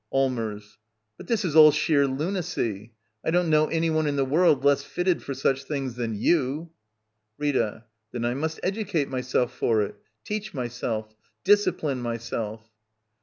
Allmers. But this is all sheer lunacy! I don't know any one in the world less fitted for such things than you. Rita. Then I must educate myself for it; teach myself; discipline myself.